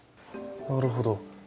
なるほど。